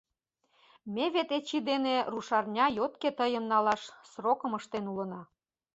Ме вет Эчи дене рушарня йокте тыйым налаш срокым ыштен улына.